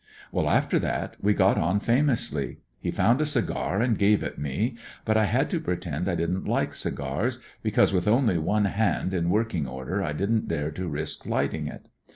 " Well, after that we got on famously. He found a cigar, and gave it me; but I had to pretend I didn't like cigars, because with only one hand in working order I didn't dare to risk lighting it.